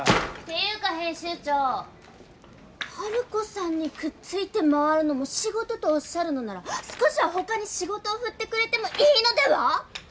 ていうか編集長ハルコさんにくっついて回るのも仕事とおっしゃるのなら少しは他に仕事を振ってくれてもいいのでは？